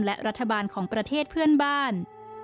และรัฐบาลของประเทศเพื่อนบ้าน